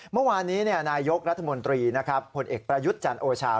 เมื่อวานนี้นายกรัฐมนตรีนะครับผลเอกประยุทธ์จันทร์โอชา